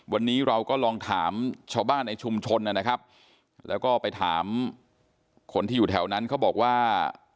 วันนี้เราก็ลองถามชาวบ้านในชุมชนนะครับแล้วก็ไปถามคนที่อยู่แถวนั้นเขาบอกว่า